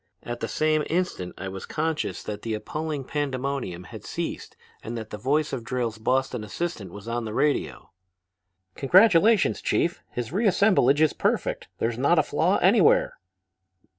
At the same instant I was conscious that the appalling pandemonium had ceased and that the voice of Drayle's Boston assistant was on the radio. "'Congratulations, Chief! His reassemblage is perfect. There's not a flaw anywhere.'